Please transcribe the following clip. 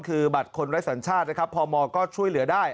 คือบัตรคนไร้สัญชาตินะครับพมก็ช่วยเหลือได้